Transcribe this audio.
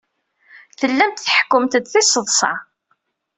Tellamt tḥekkumt-d tiseḍsa.